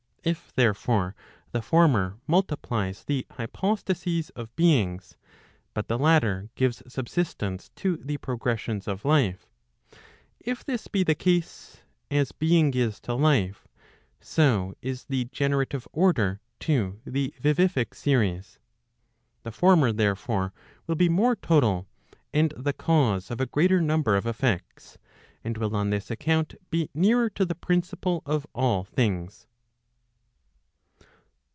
If therefore the former multiplies the hypostases of beings, but the latter gives subsistence to the progressions of life,—if this be the case, as being is to life, so is the generative order to the vivific series. The former therefore, will be more total, and the cause of a greater number of effects, and will on this account be nearer to the principle of all things.